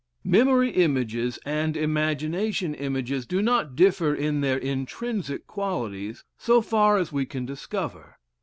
Memory images and imagination images do not differ in their intrinsic qualities, so far as we can discover.